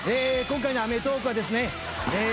今回の『アメトーーク！』はですね」